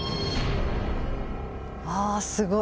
あすごい。